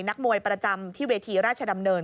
นักมวยประจำที่เวทีราชดำเนิน